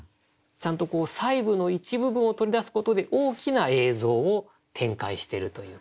ちゃんと細部の一部分を取り出すことで大きな映像を展開しているという句だと思いました。